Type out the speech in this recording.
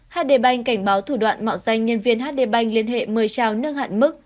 hdbanh cảnh báo thủ đoạn mạo danh nhân viên hdbanh liên hệ mời trao nâng hạn mức